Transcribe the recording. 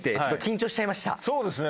そうですね。